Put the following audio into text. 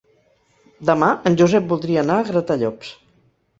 Demà en Josep voldria anar a Gratallops.